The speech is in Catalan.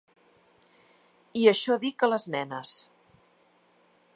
I això dic a les nenes.